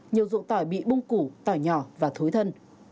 nhiều dụng tỏi bị bung củ tỏ nhỏ và thối thân